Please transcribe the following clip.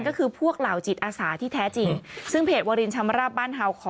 ก็คือพวกเหล่าจิตอาสาที่แท้จริงซึ่งเพจวรินชำราบบ้านฮาวคอ